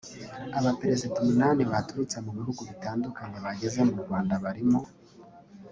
Abaperezida umunani baturutse mu bihugu bitandukanye bageze mu Rwanda barimo